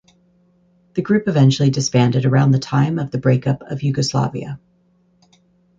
The group eventually disbanded around the time of the Breakup of Yugoslavia.